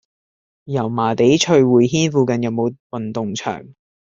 油麻地翠匯軒附近有無運動場？